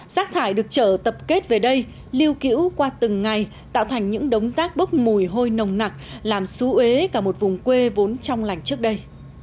rác thải được trở tập kết về đây lưu cữu qua từng ngày tạo thành những đống rác bốc mùi hôi nồng nặc làm xú ế cả một vùng quê vốn trong lành trước đây